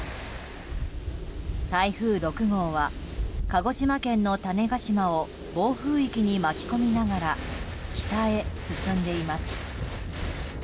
台風６号は鹿児島県の種子島を暴風域に巻き込みながら北へ進んでいます。